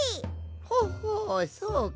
ほほそうか。